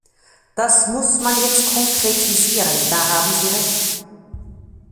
Das muss man jetzt konkretisieren, da haben Sie Recht.